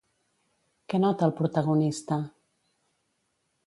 Què nota el protagonista?